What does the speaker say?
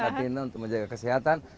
artinya untuk menjaga kesehatan